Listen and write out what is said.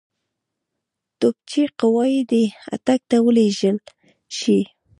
توپچي قواوې دي اټک ته ولېږل شي.